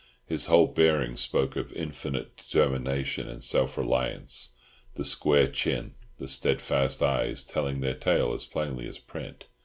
His whole bearing spoke of infinite determination and self reliance—the square chin, the steadfast eyes, telling their tale as plainly as print.